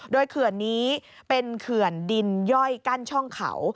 โดยเขื่อนนี้เป็นเขื่อนดินย่อยกั้นช่องเขา